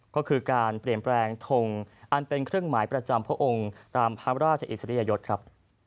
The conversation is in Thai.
ก็คือการเปลี่ยนแปลงทงอันเป็นเครื่องหมายประจำพระองค์ตามพระราชอิสริยยศครับ